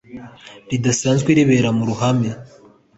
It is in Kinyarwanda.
ridasanzwe ribera mu ruhame